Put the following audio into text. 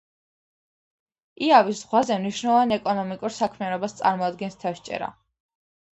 იავის ზღვაზე მნიშვნელოვან ეკონომიკურ საქმიანობას წარმოადგენს თევზჭერა.